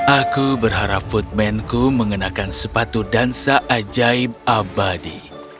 aku berharap footmanku mengenakan sepatu dansa ajaib abadi